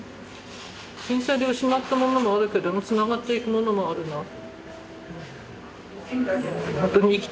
震災で失ったものもあるけどつながっていくものもあるなと。